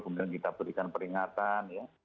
kemudian kita berikan peringatan ya